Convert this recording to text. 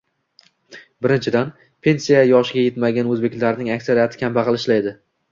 Birinchidan, pensiya yoshiga yetmagan o'zbeklarning aksariyati kambag'al ishlaydi